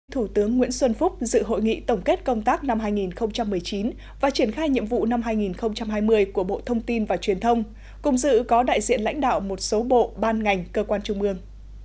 thủ tướng nguyễn xuân phúc dự hội nghị tổng kết công tác năm hai nghìn một mươi chín và triển khai nhiệm vụ năm hai nghìn hai mươi của bộ thông tin và truyền thông cùng dự có đại diện lãnh đạo một số bộ ban ngành cơ quan trung ương